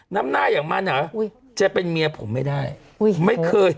น้ำหน้าอย่างมันอะจะเป็นเมียผมไม่ได้